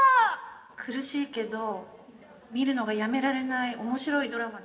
苦しいけど見るのがやめられない面白いドラマで。